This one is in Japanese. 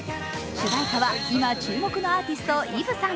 主題歌は今注目のアーティスト、Ｅｖｅさん。